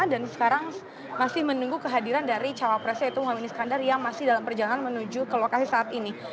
dan sekarang masih menunggu kehadiran dari cawapresnya yaitu muhammadin iskandar yang masih dalam perjalanan menuju ke lokasi saat ini